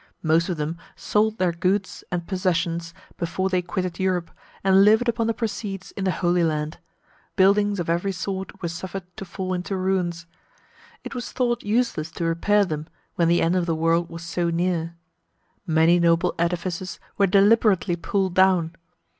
Most of them sold their goods and possessions before they quitted Europe, and lived upon the proceeds in the Holy Land. Buildings of every sort were suffered to fall into ruins. It was thought useless to repair them, when the end of the world was so near. Many noble edifices were deliberately pulled down.